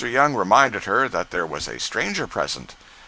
Young reminded her that there was a stranger present.